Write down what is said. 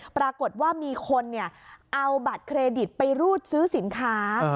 ปรากฏว่ามีคนเอาบัตรเครดิตไปรูดซื้อสินค้า